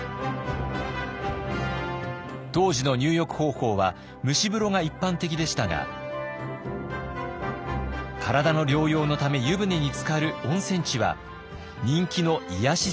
当時の入浴方法は蒸し風呂が一般的でしたが体の療養のため湯船につかる温泉地は人気の癒やし